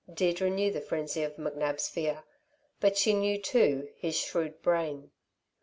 Deirdre knew the frenzy of McNab's fear; but she knew, too, his shrewd brain.